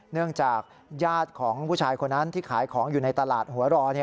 เนื่องจากญาติของผู้ชายคนนั้นที่ขายของอยู่ในตลาดหัวรอ